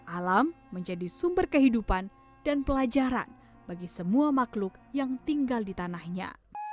alam menjadi sumber kehidupan dan pelajaran bagi semua makhluk yang tinggal di tanahnya